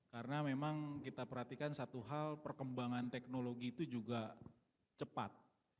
karena memang kita perhatikan satu hal perkembangan teknologi itu juga cepat